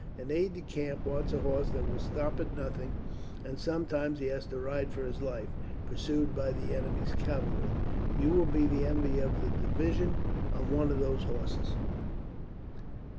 An aide de camp wants a horse that will stop at nothing; and sometimes he has to ride for his life, pursued by the enemy's cavalry. You will be the envy of the division, on one of those horses."